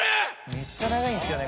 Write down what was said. めっちゃ長いんですよね